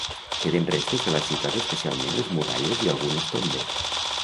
Queden restes de la ciutat especialment les muralles i algunes tombes.